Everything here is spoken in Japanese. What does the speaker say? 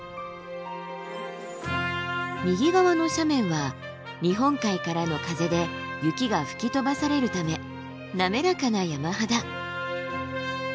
右側の斜面は日本海からの風で雪が吹き飛ばされるため滑らかな山肌。